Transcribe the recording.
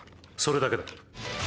それだけだ。